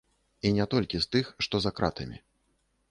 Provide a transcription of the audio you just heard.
І не толькі з тых, што за кратамі.